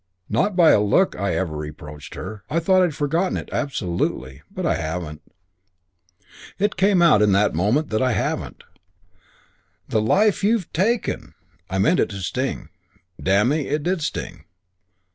Not by a look I ever reproached her. I thought I'd forgotten it, absolutely. But I haven't. It came out in that moment that I haven't. 'The life you've taken!' I meant it to sting. Damn me, it did sting.